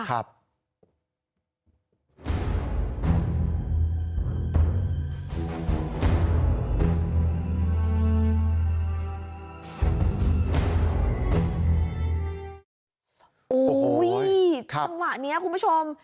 โอ้โหจังหวะนี้คุณผู้ชม